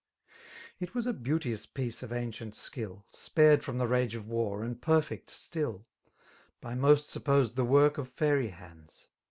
It was a beauteous piece of ancient skill. Spared from the rage of war, and perfect still ; By most supposed the work of fairy hands.